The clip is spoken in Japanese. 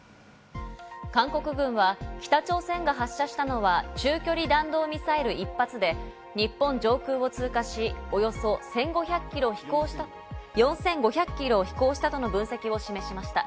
韓国軍は北朝鮮が発射したのは中距離弾道ミサイル１発で、日本上空を通過し、およそ４５００キロ飛行したとの分析を示しました。